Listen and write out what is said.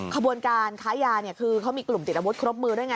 ขบวนการค้ายาเนี่ยเค้ามีกลุ่มติดรมดครบมือด้วยไง